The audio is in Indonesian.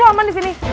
butuh lo aman di sini